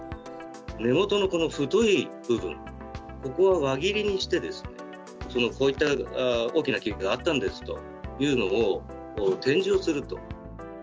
根元のこの太い部分、ここは輪切りにして、こういった大きな木があったんですというのを展示をすると。